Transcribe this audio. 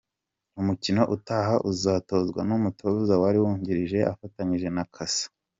Umukino utaha uzatozwa n’umutoza wari wungirije afatanyije na Cassa.